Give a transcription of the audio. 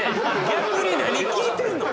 逆に何聞いてんの？